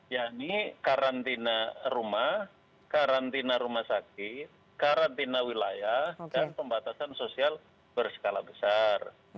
yakni karantina rumah karantina rumah sakit karantina wilayah dan pembatasan sosial berskala besar